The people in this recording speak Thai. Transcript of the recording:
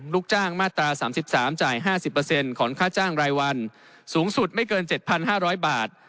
ลูกจ้างมาตรา๓๓จ่าย๕๐ของค่าจ้างรายวันสูงสุดไม่เกิน๗๕๐๐บาท